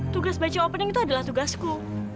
tugas baca opening itu adalah tugasku